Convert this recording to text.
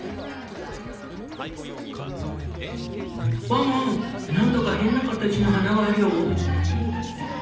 ワンワンなんだか変な形の花があるよ。